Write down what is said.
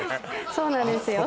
そうなんですよ。